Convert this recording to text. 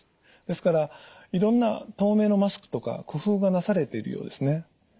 ですからいろんな透明のマスクとか工夫がなされているようですね。